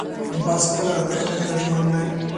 باز خپلو اهدافو ته ژمن دی